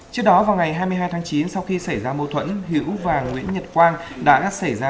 trước đó vào ngày hai mươi hai tháng chín sau khi xảy ra mâu thuẫn hiễu và nguyễn nhật quang đã xảy ra